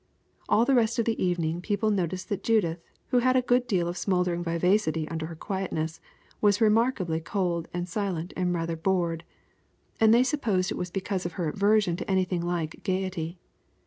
All the rest of the evening people noticed that Judith, who had a good deal of smoldering vivacity under her quietness, was remarkably cold and silent and rather bored, and they supposed it was because of her aversion to anything like gayety.